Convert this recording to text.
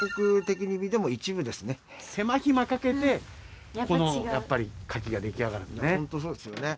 手間暇かけてこのカキが出来上がるんだね。